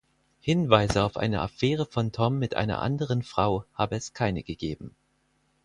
Hinweise auf eine Affäre von Tom mit einer anderen Frau habe es keine gegeben.